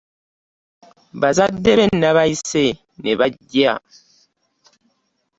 Bazadde be nabayise ne bajja.